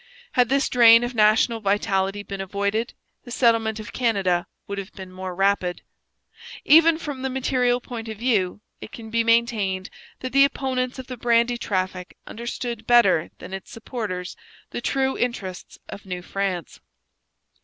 Had this drain of national vitality been avoided, the settlement of Canada would have been more rapid. Even from the material point of view it can be maintained that the opponents of the brandy traffic understood better than its supporters the true interests of New France.